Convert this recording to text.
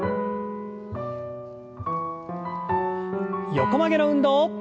横曲げの運動。